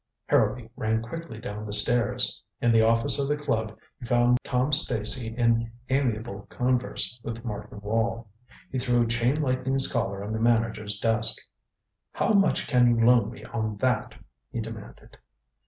Harrowby ran quickly down the stairs. In the office of the club he found Tom Stacy in amiable converse with Martin Wall. He threw Chain Lightning's Collar on the manager's desk. "How much can you loan me on that?" he demanded.